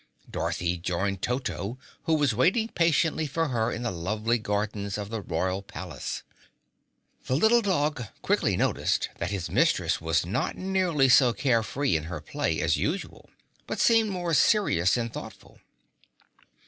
Dorothy joined Toto who was waiting patiently for her in the lovely gardens of the Royal Palace. The little dog quickly noticed that his mistress was not nearly so carefree in her play as usual, but seemed more serious and thoughtful.